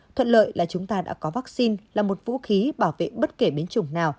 thuận lợi là chúng ta đã có vaccine là một vũ khí bảo vệ bất kể biến chủng nào